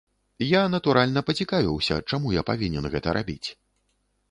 Я, натуральна, пацікавіўся, чаму я павінен гэта рабіць.